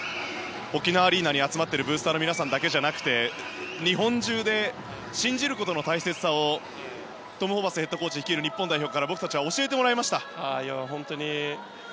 沖縄アリーナに集まっているブースターの皆さんだけじゃなくて日本中で、信じることの大切さをトム・ホーバスヘッドコーチ率いる日本代表から僕たちは教えてもらいました。